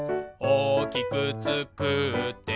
「おおきくつくって」